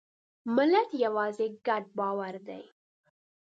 ملت یوازې یو ګډ باور دی.